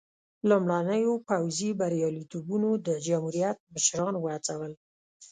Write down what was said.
لومړنیو پوځي بریالیتوبونو د جمهوریت مشران وهڅول.